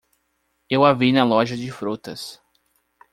Eu a vi na loja de frutas